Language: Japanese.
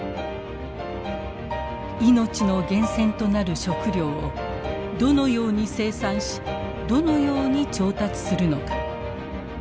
命の源泉となる食料をどのように生産しどのように調達するのか。